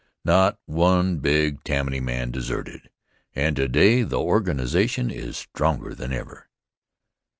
Not one big Tammany man deserted, and today the organization is stronger than ever.